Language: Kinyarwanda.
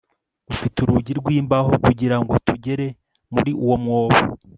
ufite urugi rw imbaho kugira ngo tugere muri uwo mwobo